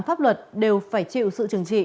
pháp luật đều phải chịu sự trừng trị